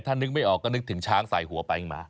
ถ้านึกไม่ออกก็นึกถึงช้างใส่หัวไปมา